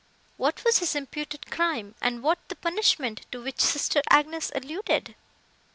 What was his imputed crime, and what the punishment, to which sister Agnes alluded?"